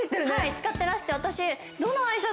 使ってらして私。